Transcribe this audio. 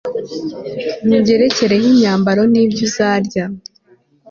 nkugerekereho imyambaro n'ibyo uzarya